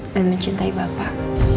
dan mencintai bapak